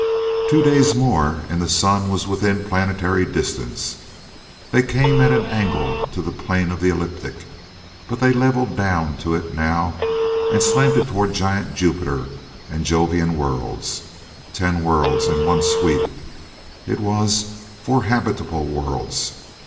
Two days more, and the sun was within planetary distance. They came at an angle to the plane of the ecliptic, but they leveled down to it now, and slanted toward giant Jupiter and Jovian worlds. Ten worlds, in one sweep, it was four habitable worlds.